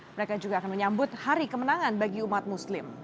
mereka juga akan menyambut hari kemenangan bagi umat muslim